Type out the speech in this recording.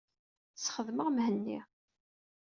Sxedmeɣ Mhenni.